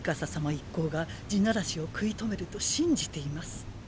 一行が「地鳴らし」を食い止めると信じています。